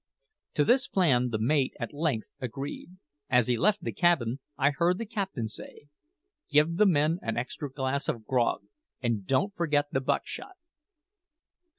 To this plan the mate at length agreed. As he left the cabin, I heard the captain say: "Give the men an extra glass of grog, and don't forget the buck shot."